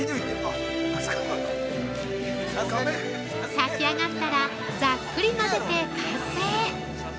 炊き上がったらざっくり混ぜて完成！